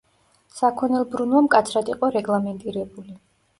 საქონელბრუნვა მკაცრად იყო რეგლამენტირებული.